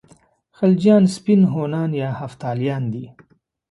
خلجیان سپین هونان یا هفتالیان دي.